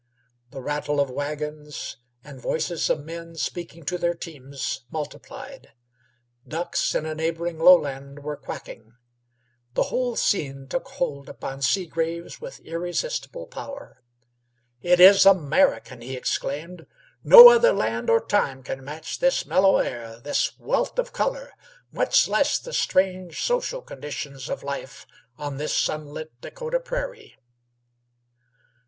The rattle of wagons and the voices of men speaking to their teams multiplied. Ducks in a neighboring lowland were quacking sociably. The whole scene took hold upon Seagraves with irresistible power. "It is American," he exclaimed. "No other land or time can match this mellow air, this wealth of color, much less the strange social conditions of life on this sunlit Dakota prairie."